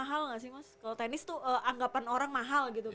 kalau tenis itu anggapan orang mahal gitu kan